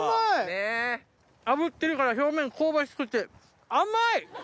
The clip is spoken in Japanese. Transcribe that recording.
炙ってるから表面香ばしくて甘い！